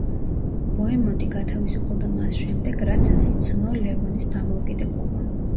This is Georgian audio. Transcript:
ბოემონდი გათავისუფლდა მას შემდეგ, რაც სცნო ლევონის დამოუკიდებლობა.